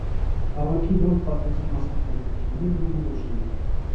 Քաղաքի վաղ պատմության մասին տեղեկություններն անորոշ են։